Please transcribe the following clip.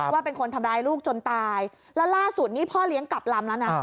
ว่าเป็นคนทำร้ายลูกจนตายแล้วล่าสุดนี่พ่อเลี้ยงกลับลำแล้วนะ